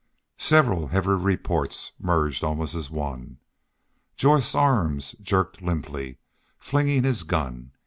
Several heavy reports merged almost as one. Jorth's arm jerked limply, flinging his gun.